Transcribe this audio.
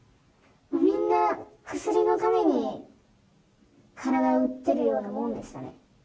みんな薬のために体を売ってるようなもんでしたね。